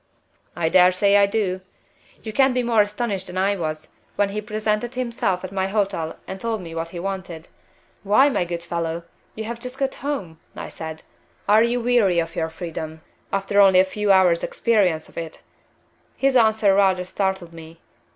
"I dare say I do! You can't be more astonished than I was, when he presented himself at my hotel and told me what he wanted. 'Why, my good fellow, you have just got home,' I said. 'Are you weary of your freedom, after only a few hours' experience of it?' His answer rather startled me.